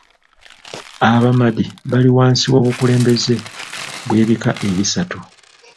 Abamadi bali wansi w'obukulembeze bw'ebika ebisatu.